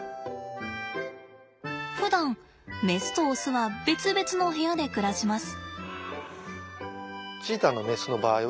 ふだんメスとオスは別々の部屋で暮らします。